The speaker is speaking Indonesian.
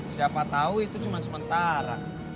siapa tahu itu cuma sementara